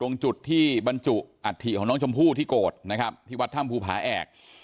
ตรงจุดที่บรรจุอัฐิของน้องชมพู่ที่โกรธนะครับที่วัดถ้ำภูผาแอก